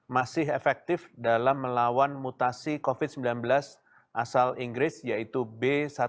masih efektif dalam melawan mutasi covid sembilan belas asal inggris yaitu b satu satu